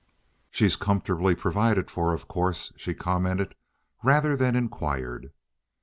"She's comfortably provided for, of course," she commented rather than inquired.